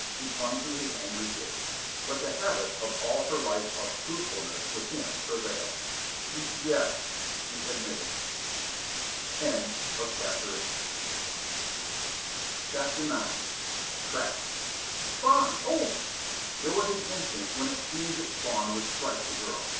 She clung to his angry gaze. But the habit of all her life of truthfulness with him prevailed. "Y yes," she admitted. CHAPTER IX Trapped "Spawn! Hold!" There was an instant when it seemed that Spawn would strike the girl.